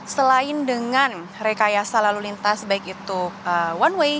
selain dengan rekayasa lalu lintas baik itu one way